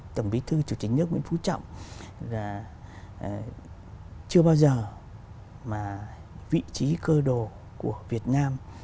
chủ tịch nước nguyễn phú trọng là chưa bao giờ mà vị trí cơ đồ của việt nam